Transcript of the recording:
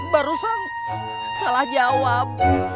barusan salah jawab